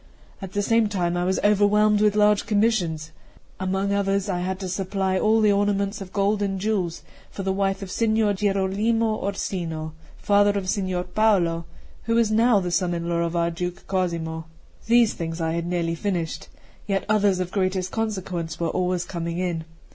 At the same time I was overwhelmed with large commissions; among others, I had to supply all the ornaments of gold and jewels for the wife of Signor Gierolimo Orsino, father of Signor Paolo, who is now the son in law of our Duke Cosimo. These things I had nearly finished; yet others of the greatest consequence were always coming in.